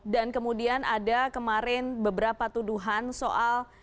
dan kemudian ada kemarin beberapa tuduhan soal